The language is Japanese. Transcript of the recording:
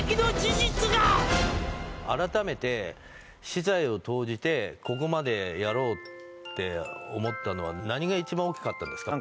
改めて私財を投じてここまでやろうって思ったのは何が一番大きかったですか？